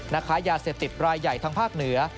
ค้ายาเสพติดรายใหญ่ทางภาคเหนือ